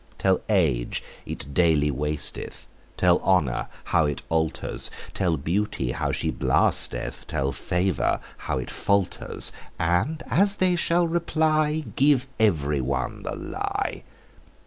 Tell age it daily wasteth; Tell honour how it alters; Tell beauty how she blasteth; Tell favour how it falters: And as they shall reply, Give every one the lie.